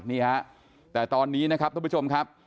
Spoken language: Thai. นี่ฮะแต่ตอนนี้นะครับท่านผู้ชมครับ